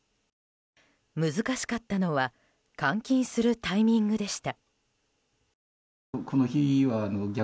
難しかったのは換金するタイミングでした。